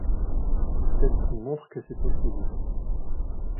Celle qui montre que c’est possible.